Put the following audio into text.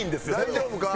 大丈夫か？